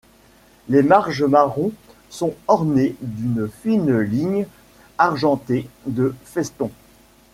Les marges marron sont ornées d'une fine ligne argentée de festons.